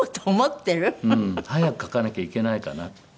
フフフ！早く書かなきゃいけないかなって。